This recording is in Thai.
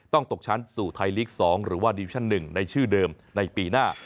ตกชั้นสู่ไทยลีก๒หรือว่าดิวิชั่น๑ในชื่อเดิมในปีหน้า